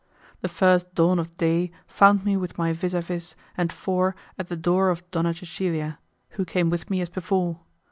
The first dawn of day found me with my 'vis a vis' and four at the door of Donna Cecilia, who came with me as before.